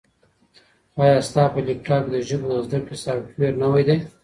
ایا ستا په لیپټاپ کي د ژبو د زده کړې سافټویر نوی دی؟